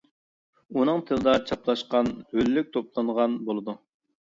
ئۇنىڭ تىلىدا چاپلاشقاق ھۆللۈك توپلانغان بولىدۇ.